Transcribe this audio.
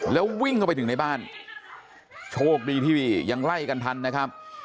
แล้ววิ่งเข้าไปถึงในบ้านโชคดีที่ยังไล่กันทันนะครับ